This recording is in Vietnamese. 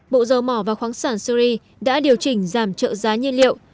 bộ dầu mỏ và khoáng sản syri đã điều chỉnh giảm trợ giá nhiên liệu